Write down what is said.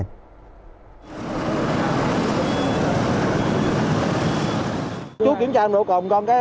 chú kiểm tra đồng độ côn con cái